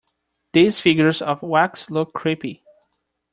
These figures of wax look creepy.